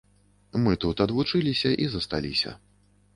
Мы тут адвучыліся і засталіся.